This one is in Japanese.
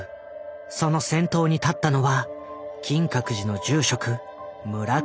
その先頭に立ったのは金閣寺の住職村上慈海だった。